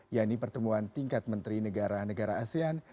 yang dipertemuan tingkat menteri negara negara asean